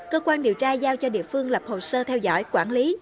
cơ quan điều tra giao cho địa phương lập hồ sơ theo dõi quản lý